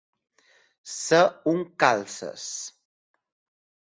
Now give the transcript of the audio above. Ser un calces.